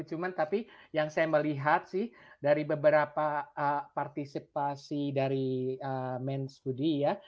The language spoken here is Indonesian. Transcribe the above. cuma tapi yang saya melihat sih dari beberapa partisipasi dari main studio